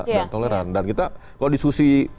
dan toleran dan kita kalau disusi